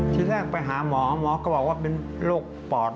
ทีแรกไปหาหมอหมอก็บอกว่าเป็นโรคปอด